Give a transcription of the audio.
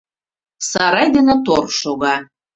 Сарай дене тор шога.